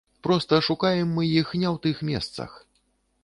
Проста шукаем мы іх не ў тых месцах.